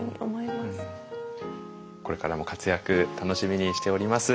これからも活躍楽しみにしております。